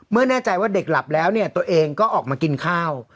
แน่ใจว่าเด็กหลับแล้วเนี่ยตัวเองก็ออกมากินข้าว